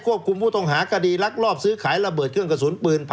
ได้ควบคุมผู้ต้องหากดีฤกษ์และลักลอบซื้อขายระเบิดเครื่องกระสุนปืน